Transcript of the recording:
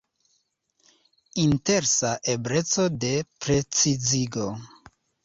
Interesa ebleco de precizigo.